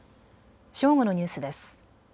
正午のニュースです。